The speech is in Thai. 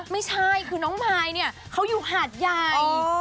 ไม่ใช่คือน้องมายเนี่ยเขาอยู่หาดใหญ่